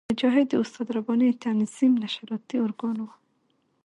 مجاهد د استاد رباني د تنظیم نشراتي ارګان وو.